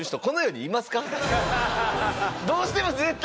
どうしても絶対。